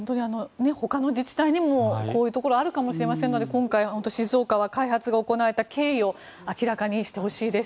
ほかの自治体にもこういうところがあるかもしれませんから静岡は開発が行われた経緯を明らかにしてほしいです。